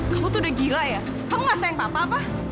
kamu tuh udah gila ya kamu gak sayang papa apa apa